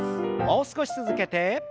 もう少し続けて。